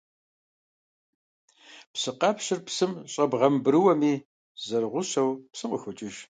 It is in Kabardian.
Псыкъэпщыр псым щӀэбгъэмбрыуэми, зэрыгъущэу псым къыхокӀыж.